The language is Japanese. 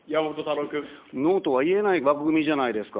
ノーとは言えない枠組みじゃないですか。